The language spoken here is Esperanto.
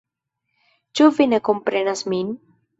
Ĉu vi ne komprenas min?